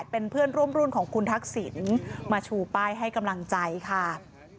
เป็นเพื่อนร่วมรุ่นของคุณทักษิณมาชูป้ายให้กำลังใจค่ะ